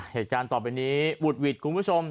เหตุการณ์ต่อไปนี้บุดหวิดคุณผู้ชม